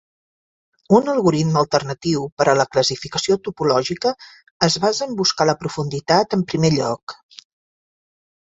Un algoritme alternatiu per a la classificació topològica es basa en buscar la profunditat en primer lloc.